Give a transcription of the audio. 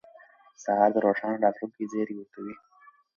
سهار د روښانه راتلونکي زیری ورکوي.